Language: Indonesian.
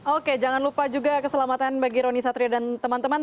oke jangan lupa juga keselamatan bagi roni satria dan teman teman